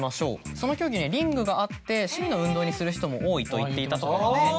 その競技にはリングがあって趣味の運動にする人も多いと言っていたところで。